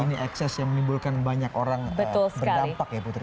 ini ekses yang menimbulkan banyak orang berdampak ya putri